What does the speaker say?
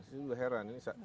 itu sudah heran